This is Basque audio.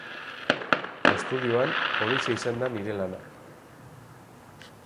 Estudioan, horixe izan da nire lana.